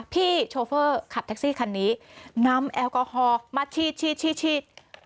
โชเฟอร์ขับแท็กซี่คันนี้นำแอลกอฮอล์มาฉีด